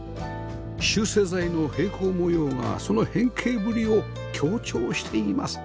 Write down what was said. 集成材の平行模様がその変型ぶりを強調しています